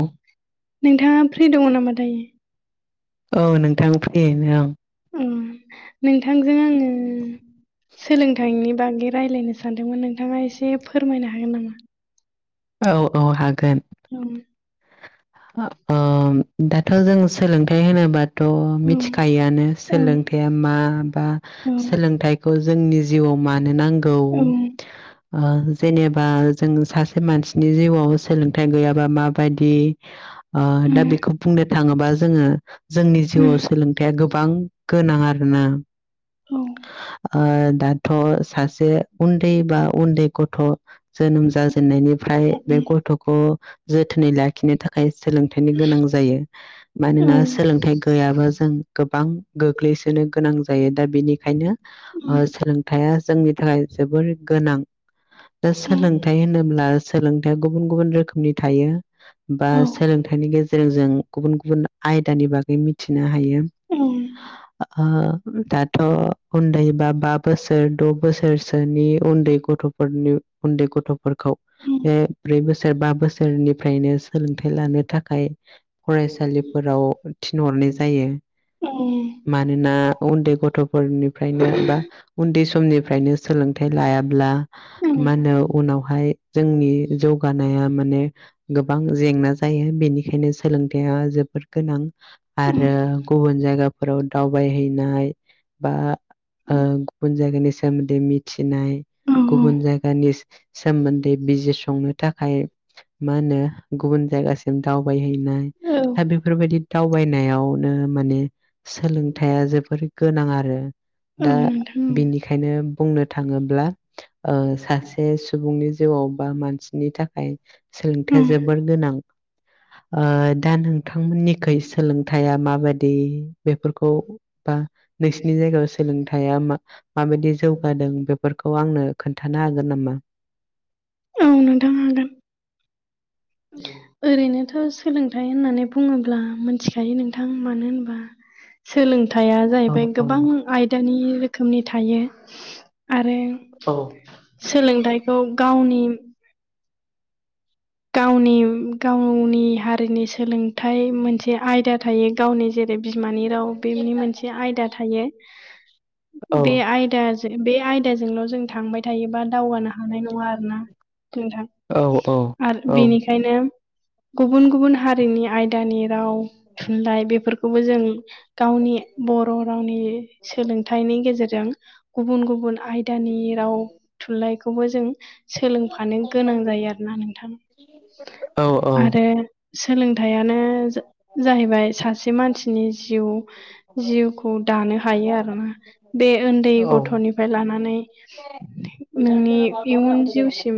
औ नोंथाङा फ्रि दङ नामा दायो? औ नोंथां फ्रियैनो आं उम नोंथांजों आङो सोलोंथायनि बागै रायलायनो सानदोंमोन नोंथाङा एसे फोरमायनो हागोन नामा? औ औ हागोन औ ओ दाथ जों सोलोंथाइ होनोबाथ औ मिथिखायोआनो औ सोलों थाया मा बा औ सोलोंथाइखौ जोंनि जिउआव मानो नांगौ औ उम ओ जेनेबा जों सासे मानसिनि जिउआव सोलोंथाइ गैयाबा माबादि ओ दा उम बेखौ बुंनो थाङोबा जोङो जोंनि जिउआव सोलोंथाइया गोब बां गोनां आरोना औ ओ दाथ‌ सासे से उन्दै बा उन्दै गथ जोनोम जाजेननायनिफ्राय औ बे गथखौ जोथोनै लाखिनो थाखाय सोलोंथाइनि गोनां जायो औ मानोना सोलोंथाइ गैयाबा जों जों गोबां गोग्लैसोनो गोनां जायो दा बेनिखायनो ओ सोलोंथाइया जोंनि थाखाय जोबोर गोनां दा सोलोंथाइ होनोब्ला सोलोंथाइया गुबुन गुबुन रोखोमनि थायो बा औ सोलोंथाइनि गेजेरजों गुबुन गुबुन आयदानि बागै मिथिनो हायो ओ दाथ उन्दै बा बा बोसोर द बोसोरसोनि उन्दै गथ फोरनि उन्दै गथ फोरखौ बे ब्रै बोसोर बा बोसोरनिफ्रायनो सोलोंथाइ लानो थाखाय फरायसालिफोराव थिनहरनाय जायो मानोना उन्दै गथफोरनिफ्रायनो बा उन्दै समनिफ्रायनो सोलोंथाइ लायाब्ला मा होनो उनावहाय जोंनि जौगानाया माने गोबां जेंना जायो बेनिखायनो सोलोंथाइया जोबोर गोनां आरो गुबुन जायगाफोराव दावबायहैनाय बा ओ गुबुन जायगानि सोमोन्दै मिथि नाय गुबुन जायगानि सोमोन्दै बिजिरसंनो थाखाय मा होनो गुबुन जायगासिम दावबायहै नों औ दा बेफोरबायदि दावबायनायावनो माने सोलोंथाइया जोबोर गोनां आरो औ दा नोंथां बेनिखायनो बुंनो थाङोब्ला ओ सासे सुबुंनि जिउआव बा मानसिनि थाखाय औ सोलोंथाइया जोबोर गोनां ओ दा नोंथांमोननिखै सोलोंथाइया मा? बादि बेफोरखौ बा नोंसिनि जायगायाव सोंलोंथाय थाया माबायदि जौगादों बेफोरखौ आंनो खोन्थानो हागोन नामा? ओं नोंथां हागोन ओरैनोथ सोलोंथाइ होननानै बुङोब्ला मोनथिखायो नोंथां मानो होनोबा सोलोंथाइया औ जाहैबाय औ गोबां आयदानि रोखोमनि थायो आरो औ सोलोंथाइखौ गावनि गाउ नि गावनि हारिनि सोलोंथाइ मोनसे आयदा थायो गावनि जे बे बिमानि राव बेनि मोनसे आयदा थायो बे औ आयदाज बे आयदाजोंल' जों थांबाय थायोबा दावगानो हानाय नङा आरोना नोंथां औ औ आर औ बेनिखायनो गुबुन गुबुन हारिनि आयदानि राव थुनलाइ बेफोरखौबो जों गावनि बर' रावनि सोलोंथाइनि गेजेरजों गुबुन गुबुन आयदानि राव थुनलाइखौबो जों सोलोंफानो गोनां जायो आरोना नोंथां औ आरो सोलोंथाइया नो जा-जाहैबाय सासे मानसिनि जिउ जिउखौ दानो हायो आरो बे ओनदै औ गथ'निफ्राय लानानै नोंनि इयुन जिउ सिम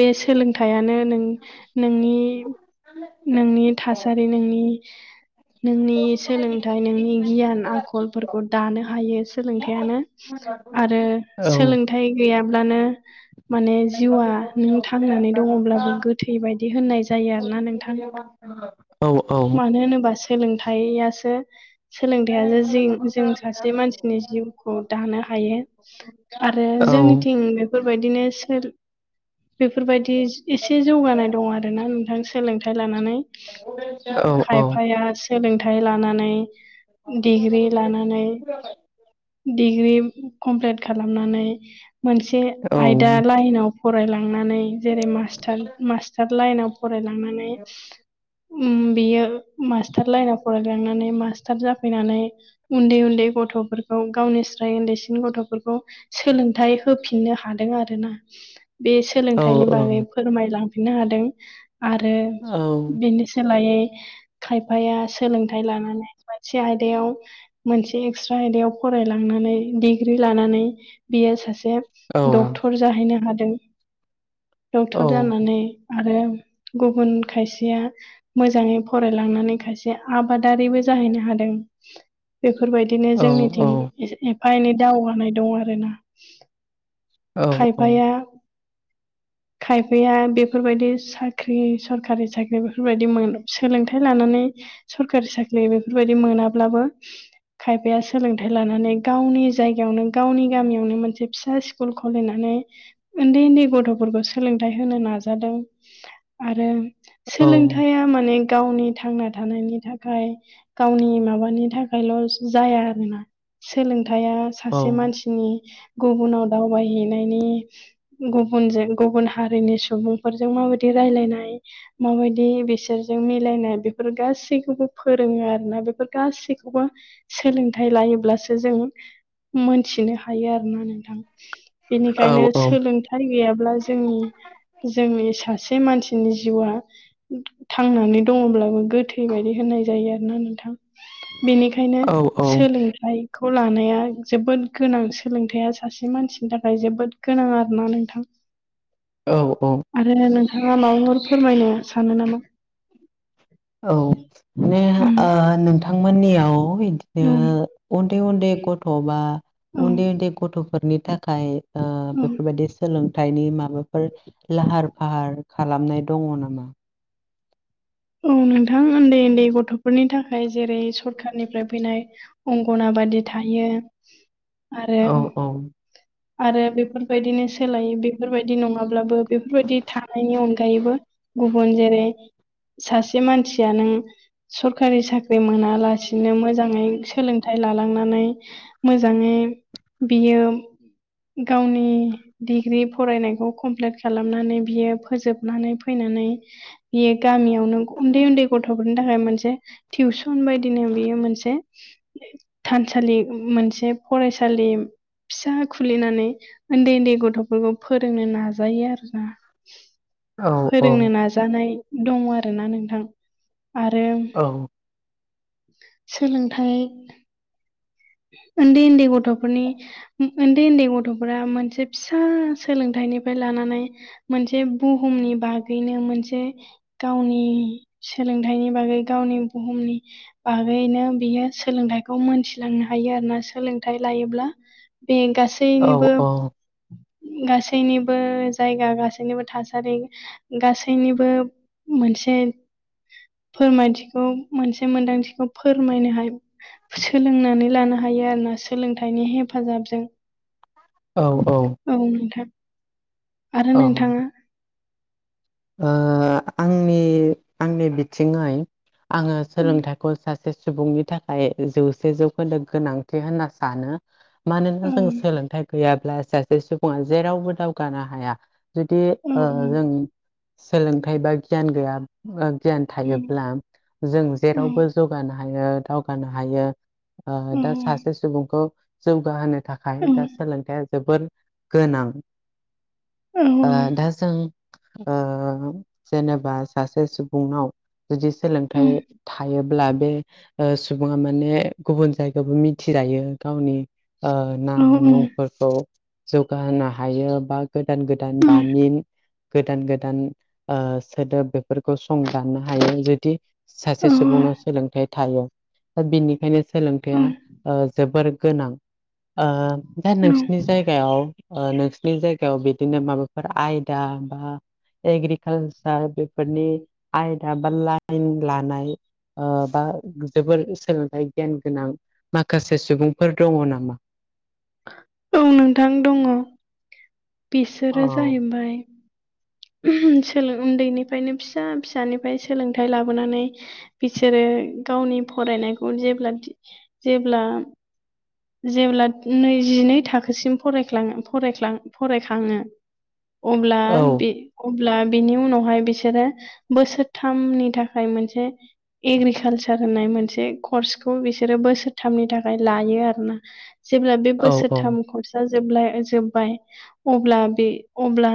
बे सोलोंथाइयानो नों-नोंनि नोंनि थासारि नोंनि नोंनि सोलोंथाइ नोंनि गियान आखलफोरखौ दानो हायो सोलोंथाइयानो आरो औ सोलोंथाइ गैया ब्लानो माने जिउआ नों थांनानै दङब्लाबो गोथै बायदि होननाय जायो आरोना नोंथां औ मानो होनोबा सो लोंथाइयासो सोलोंथाइया जि जों सासे मानसिनि जिउखौ दानो हायो आरो जोंनिथिं बेफोरबायदिनो सोर बेफो बिदि एसे जौगानाय दं आरोना नोंथां सोलोंथाइ लानानै औ ओं औ खायफाया सोलोंथाइ लानानै डिग्रि लानानै डिग्रि कमप्लिट खालामनानै मोनसे आयदा लाइनाव फरायलांनानै जेरै मास्टार मास्टार लाइनाव फरायलांनानै उम बेयो मास्टार लाइनाव फरायलांनानै मास्टार जाफैनानै उन्दै उन्दै गथ गथ'फोरखौ गावनिस्राय उन्दैसिन गथ'फोरखौ सोलोंथाइ होफिननो हादों आरोना बे औ सोलोंथाइनि बागै फोरमायलांफिननो हादों आरो बेनि सो लायै खायफाया सोलोंथाइ लानानै मोनसे आयदायाव मोनसे एक्स्रा आयदायाव फरायलांनानै डिग्रि लानानै बियो सासे औ डक्ट'र जाहैनो हादों डक्ट'र जानानै आरो गुबुन खायसेया मोजाङै फरायलांनानै खायसेया आबादारिबो जायो जाहैनो हादों [unintelligible] बेफोरबायदिनो जोंनिथिं एस एफा एनै दावगानाय दं आरोना औ औ खायफाया [inaudible] खायफाया बेफोरबायदि साख्रि सरखारि साख्रि बेफोरबायदि मोन सोलोंथाइ लानानै सरकारि साख्रि बेफोरबायदि मोनाब्लाबो खायफाया सोलोंथाइ लानानै गावनि जायगायावनो गावनि गामियावनो मोनसे फिसा स्कुल खलिनानै ओनदै ओनद गथ' फोरखौ सोलोंथाइ होनो नाजादों आरो सोलोंथाइया माने गावनि थांना थानायनि थाखाय गावनि माबानि थाखायल' जाया आरोना सोलों थाइया सासे मानसिनि गुबुनाव दावबायहैनायनि गुबुनजों गुबुन हारिनि सुबुंफोरजों माबायदि रायलायनाय माबायदि बिसोरजों मिलायनाय बे बेफोर गासैखौबो फोरोङो आरोना बेफोर गासैखौबो सोलोंथाइ लायोब्लासो जों मोनथिनो हायो आरोना नोंथां बेनिखायनो सोलोंथाइ गैयाब्ला जोंनि जोंनि सासे मानसिनि जिउआ थांनानै दङब्लाबो गोथै बायदि होननाय जायो आरोना नोंथां बेनिखायनो औ औ सोलोंथाइखौ लानाया जोबोद गोनां सोलोंथायाइया सासे मानसिनि थाखाय जोबोद गोनां आरोना नोंथां औ औ आरो नोंथाङा माबाफोर फोरमायनो सानो नामा औ उम नोंथांमोननियाव बिदिनो उम उन्दै उन्दै गथ' बा उन्दै उन्दै गथ'फोरनि थाखाय उम बेफोरबायदि सोलोंथाइनि माबाफोर लाहार फाहार खालामनाय दङ नामा? औ नोंथां उन्दै उन्दै गथ'फोरनि थाखाय जेरै सरखारनिफ्राय फैनाय अंगन बादि थायो आरो औ औ आरो बेफोरबायदिनो सोलाय बेफोरबायदि नङाब्लाबो बेफोरबायदि थानायनि अनगायैबो गुबुन जेरै सासे मानसिया नों सरखारि साख्रि मोना बिदिनो मोजाङै सोलोंथाइ लालांनानै मोजाङै बियो गावनि डिग्रि फरायनायखौ कमप्लेट खालामनानै बियो फोजोबनानै फैनानै बियो गामियावनो [unintelligible] उन्दै उन्दै गथफोरनि थाखाय मोनसे टिउसन बायदिनो बेयो मोनसे [unintelligible] सालि मोनसे फरायसालि फिसा खुलिनानै ओन्दै ओन्दै गथफोरखौ फोरोंनो नाजायो आरोना औ फोरोंनो नाजानाय दङ आरोना नोंथां आरो औ सोलोंथाइ ओन्दै ओन्दै गथफोरनि ओन्दै ओन्दै गथफोरा मोनसे फिसा सोलोंथाइ बेनिफाय लानानै मोनसे बुहुमनि बागैनो मोनसे गावनि सोलोंथाइनि बागै गावनि बुहुमनि बागैनो बियो सोलोंथाइखौ मोनथिलांनो हायो आरोना सोलोंथाइ लायोब्ला बे औ गासैनिबो औ गासैनिबो जायगा गासैनिबो थासारि गासैनिबो मोनसे फोरमायथिखौ मोनसे मोनदांथिखौ फोरमायनोहाय सोलोंनानै लानो हायो आरोना सोलोंथाइनि हेफाजाबजों औ औ आरो नोंथाङा ओ आंनि आंनि बिथिङै आङो औ सोलोंथाइखौ सासे सासे सुबुंनि थाखाय जौसे जौखोन्दो गोनांथि होनना सानो मानोना औ जों सोलोंथाइ गैयाब्ला सासे सुबुङा जेरावबो दावगानो हाया जुदि औ ओ जों सोलोंथाइ बा गियान गैया [unintelligible] गियान थायोब्ला जों औ जेरावबो जौगानो हायो दावगानो हायो ओ औ दा सासे सुबुंखौ जौगाहोनो थाखाय दा सोलोंथाया जोबोर गोनां औ ओ दा जों आ जेनेबा सासे सुबुंनाव जुदि सोलोंथाइ थायोब्ला बे ओ सुबुङा माने गुबुन जायगायावबो मिथि लायो गावनि ओ औ नाम मुंफोरखौ जौगाहोनो हायो बा गोदान गोदान दामिन गोदान गोदान ओ सोदोब बेफोर खौ सं दाननो हायो जुदि सासे सुबुंनाव सोलोंथाइ थायो दा बिनिखायनो सोलोंथाया औ ओ जोबोर गोनां ओ दा नोंसिनि जायगायाव ओ नोंसिनि जायगायाव बिदिनो माबाफोर आयदा बा एग्रिकालसार बेफोरनि आयदा बा लाइन लानाय ओ बा जोबोर सोलोंथाइ गियान गोनां माखासे सुबुंफोर दङ नामा ओं नोंथां दङ औ बिसोरो जाहैबाय सोलों उन्दैनिफ्रायनो फिसा फिसानिफ्राय सोलोंथाइ लाबोनानै बिसोरो गावनि फरायनायखौ जेब्ला दि जेब्ला जेब्ला नैजिनै थाखोसिम फरायख्लां फरायख्लां फरायखाङो। अब्ला औ बे अब्ला बिनि उनावहाय बिसोरो बोसोरथामनि थाखाय मोनसे एग्रिकालसार होननाय मोनसे कर्सखौ बिसोरो बोसोरथामनि थाखाय लायो आरोना। जेब्ला बे औ बोसोरथाम खरसा जोबलाय जोब्बाय अब्ला बे अब्ला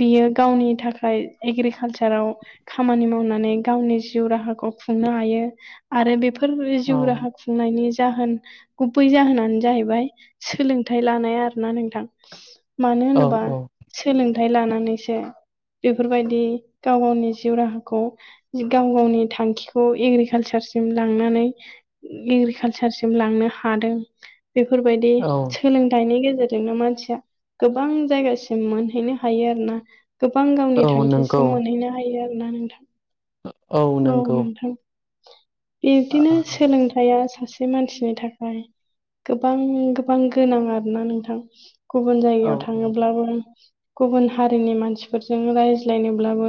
बियो गावनि थाखाय एग्रिकालसाराव खामानि मावनानै गावनि जिउ राहाखौ। खुंनो हायो आरो बेफोर औ जिउ राहा खुंनायनि जाहोन गुबै जाहोनानो जाहैबाय सोलोंथाइ लानाय आरो ना नोंथां। मानो औ होनोबा औ सोलोंथाइ लानानैसो बेफोरबायदि गाव गावनि जिउ राहाखौ गाव गावनि थांखिखौ एग्रिकालसार। लांनानै एग्रिकालसारसिम लांनो हादों। बेफोरबायदि औ सोलोंथाइनि गेजेरजोंनो मानसिया गोबां जायगासिम मोनहैनो हायो आरोना गोबां औ गावनि नंगौ थांखिसिम मोनहैनो हायो आरो ना नोंथां। औ नोंगौ। बिदिनो सोलोंथाइया सासे सासे मानसिनि थाखाय गोबां गोबां गोनां आरो ना नोंथां? गुबुन औ जायगायाव थाङोब्लाबो गुबुन हारिनि मानसिफोरजों रायज्लायनोब्लाबो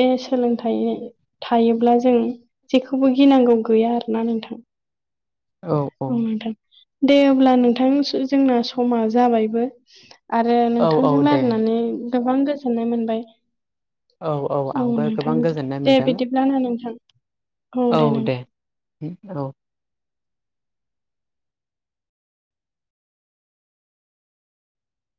बे सोलोंथाइ हायोब्ला जों जेखौबो गिनांगौ गैया आरोना नोंथां। औ औ दे अब्ला नोंथां जोंना समा जाबायबो। आरो औ नोंथांजों औ दे नायनानै गोबां गोजोननाय मोनबाय। औ औ आंबो गोबां नोंथां गोजोननाय दे मोनदों बिदिब्ल ना नोंथां? औ दे नोंथां। औ